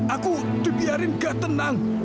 aku dibiarin gak tenang